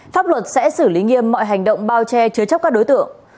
pháp luật sẽ xử lý nghiêm mọi hành động bao che chứa chấp các đối tượng